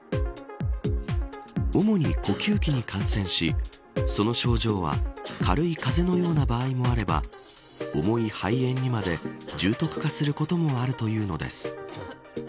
主に呼吸器に感染しその症状は軽い風邪のような場合もあれば重い肺炎にまで重篤化することもあるというのです。